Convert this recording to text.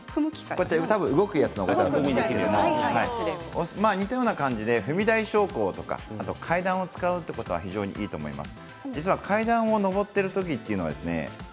踏むものだと思いますが似たような感じで踏み台昇降とか階段を使うということは非常にいいと思います。